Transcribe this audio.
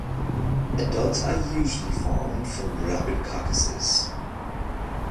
Adults are usually found from rabbit carcasses.